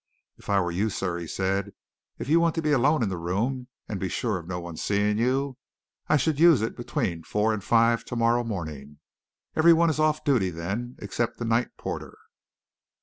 "If I were you, sir," he said, "if you want to be alone in the room and be sure of no one seeing you, I should use it between four and five to morrow morning. Everyone is off duty then except the night porter."